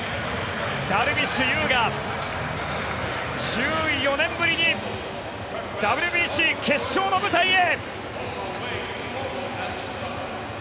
ダルビッシュ有が１４年ぶりにＷＢＣ決勝の舞台へ！